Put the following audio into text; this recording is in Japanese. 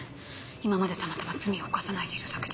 今までたまたま罪を犯さないでいるだけで。